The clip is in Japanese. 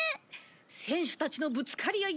選手たちのぶつかり合い！